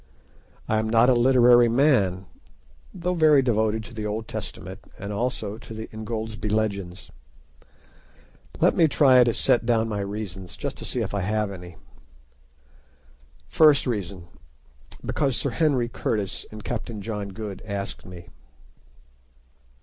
I am not a literary man, though very devoted to the Old Testament and also to the "Ingoldsby Legends." Let me try to set down my reasons, just to see if I have any. First reason: Because Sir Henry Curtis and Captain John Good asked me.